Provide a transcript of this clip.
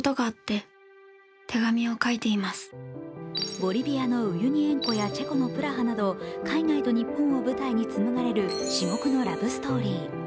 ボリビアのウユニ塩湖やチェコのプラハなど海外と日本を舞台につむがれる至極のラブストーリー。